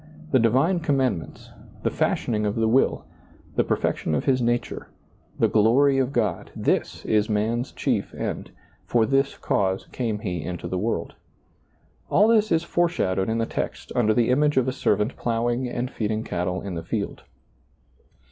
The divine com mandments, the fashioning of the will, the perfec tion of his nature, the glory of God — this is man's chief end ; for this cause came he into the world. All this is foreshadowed in the text under the image of a servant plowing and feeding cattle in the field.